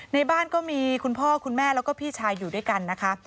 ในบ้านก็มีคุณพ่อคุณแม่แล้วก็พี่ชายอยู่ด้วยกันนะคะ